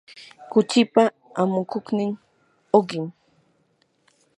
kuchipa amukuqnin uqim.